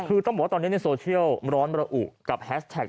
คือต้องบอกว่าตอนนี้ในโซเชียลร้อนระอุกับแฮสแท็ก